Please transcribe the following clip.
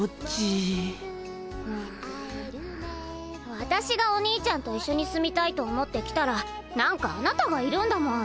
わたしがお兄ちゃんと一緒に住みたいと思ってきたら何かあなたがいるんだもん。